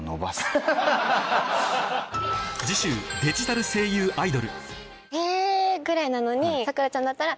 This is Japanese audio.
次週デジタル声優アイドルぐらいなのに桜ちゃんだったら。